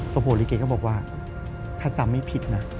ตัวโผล่ลิเกย์ก็บอกว่าถ้าจำไม่ผิดนะ